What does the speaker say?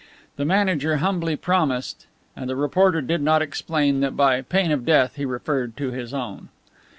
The manager humbly promised and the reporter did not explain that by "pain of death" he referred to his own.